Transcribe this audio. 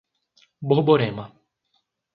Borborema